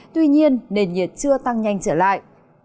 tuy nhiên nền nhiệt chưa tăng nhanh trở lại